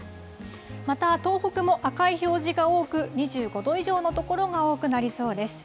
また、東北も赤い表示が多く、２５度以上の所が多くなりそうです。